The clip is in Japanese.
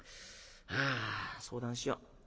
あ相談しよう。